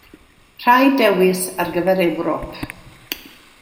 Rhaid dewis ar gyfer Ewrop.